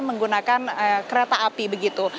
menggunakan kereta api begitu